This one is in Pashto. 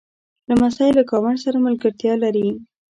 لمسی له ګاونډ سره ملګرتیا لري.